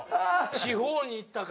地方に行ったか。